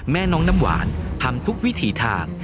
แม่น้องน้ำหวานทำทุกวิถีทาง